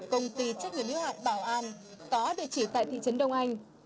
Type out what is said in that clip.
công ty chức nguyên liệu hạn bảo ăn có địa chỉ tại thị trấn đông anh